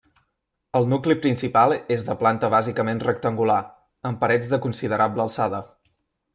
El nucli principal és de planta bàsicament rectangular, amb parets de considerable alçada.